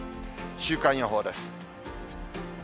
週間予報です。